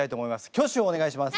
挙手をお願いします。